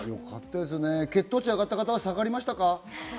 血糖値が上がった方は下がりましたか？